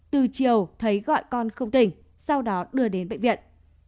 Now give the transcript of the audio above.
từ chiều thấy gọi con không tỉnh sau đó đưa đến bệnh viện